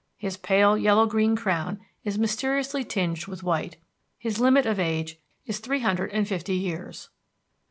His pale yellow green crown is mysteriously tinged with white. His limit of age is three hundred and fifty years.